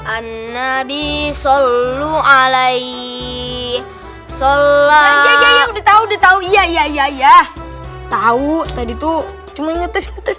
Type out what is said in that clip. anabisa lu alaihi shollal ya ya udah tahu duh tahu iya ya ya ya tahu tadi tuh cuman nyetes nyetes